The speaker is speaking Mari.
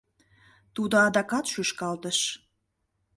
Тудо адакат шӱшкалтыш.